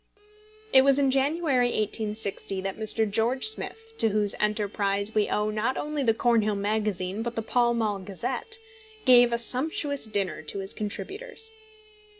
It was in January, 1860, that Mr. George Smith to whose enterprise we owe not only the Cornhill Magazine but the Pall Mall Gazette gave a sumptuous dinner to his contributors.